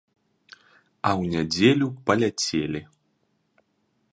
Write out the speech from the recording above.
А ў нядзелю паляцелі.